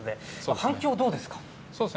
反響、どうですか？